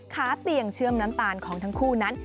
ค้าเตียงเชื่อมน้ำตาลของทั้งคู่นั้น